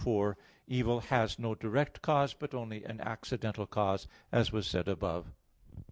4: Evil has no direct cause, but only an accidental cause, as was said above.